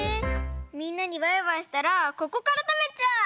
みんなにバイバイしたらここからたべちゃう！